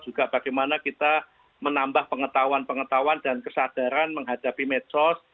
juga bagaimana kita menambah pengetahuan pengetahuan dan kesadaran menghadapi medsos